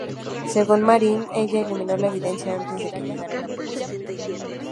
Según Marianne, ella eliminó la evidencia antes de que llegara la policía.